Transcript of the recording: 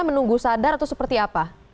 menunggu sadar atau seperti apa